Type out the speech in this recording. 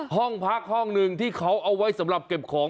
ห้องพักห้องหนึ่งที่เขาเอาไว้สำหรับเก็บของ